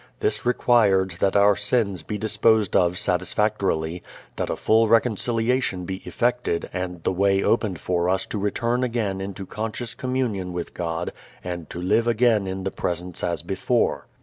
This required that our sins be disposed of satisfactorily, that a full reconciliation be effected and the way opened for us to return again into conscious communion with God and to live again in the Presence as before.